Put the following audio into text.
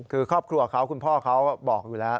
คือครอบครัวเขาคุณพ่อเขาบอกอยู่แล้ว